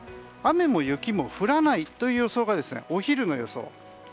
雨も雪も降らないという予想がお昼の予想。